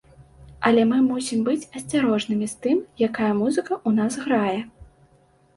Але мы мусім быць асцярожнымі з тым, якая музыка ў нас грае.